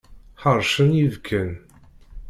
Ḥeṛcen yibekkan.